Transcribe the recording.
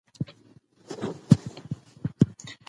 دا د ویروس پر وړاندې هم مرسته کوي.